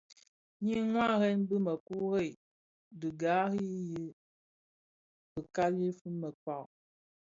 Nyi waren bi měkure dhi gari yi fikali fi měkpa.